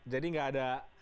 jadi nggak ada